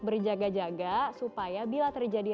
berjaga jaga supaya bila terjadi